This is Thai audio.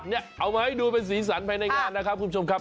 เอามาให้ดูเป็นสีสันภายในงานนะครับคุณผู้ชมครับ